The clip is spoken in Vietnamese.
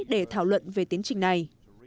để thảo luận về tiến trình này